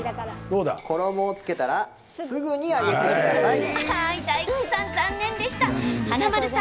衣をつけたらすぐに揚げてください。